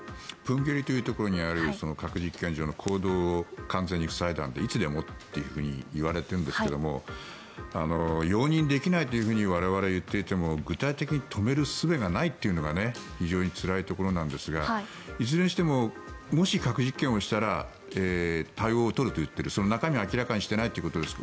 豊渓里というところにある核実験場の坑道を完全に塞いだのでいつでもといわれているんですが容認できないと我々が言っていても具体的に止めるすべがないというのが非常につらいところなんですがいずれにしてももし核実験をしたら対応を取ると言っているその中身は明らかにしていないということです。